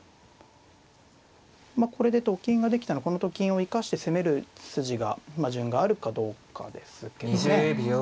まあこれでと金ができたのこのと金を生かして攻める筋がまあ順があるかどうかですけどね。